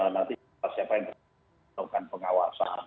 nanti siapa yang melakukan pengawasan